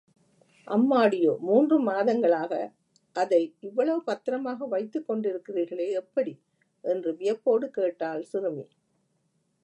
அம்மாடியோ, மூன்று மாதங்களாக, அதை இவ்வளவு பத்திரமாக வைத்துக் கொண்டிருக்கிறீர்களே, எப்படி? என்று வியப்போடு கேட்டாள் சிறுமி.